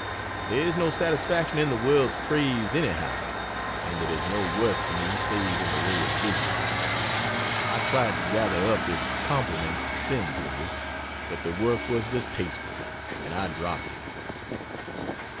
There is no satisfaction in the world's praise anyhow, and it has no worth to me save in the way of business. I tried to gather up its compliments to send to you, but the work was distasteful and I dropped it.